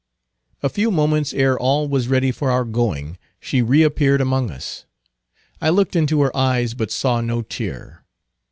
A few moments ere all was ready for our going, she reappeared among us. I looked into her eyes, but saw no tear.